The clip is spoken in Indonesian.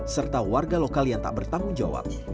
serta warga lokal yang tak bertanggung jawab